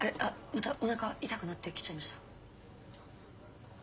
またおなか痛くなってきちゃいました？